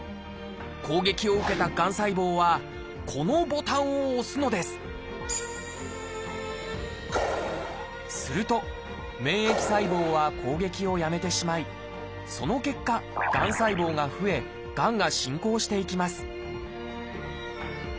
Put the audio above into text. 攻撃を受けたがん細胞はこのボタンを押すのですすると免疫細胞は攻撃をやめてしまいその結果がん細胞が増えがんが進行していきます